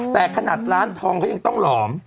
แต่ขนาดร้านทองเขายังต้องหลอม